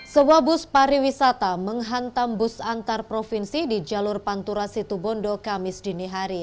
sebuah bus pariwisata menghantam bus antar provinsi di jalur pantura situbondo kamis dinihari